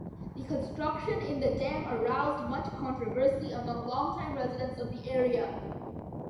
The construction in the dam aroused much controversy among longtime residents of the area.